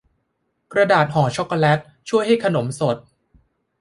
กระดาษห่อช็อคโกแลตช่วยให้ขนมสด